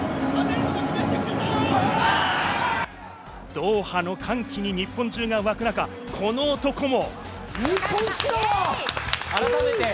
ドーハの歓喜に日本中が沸く中、この男も。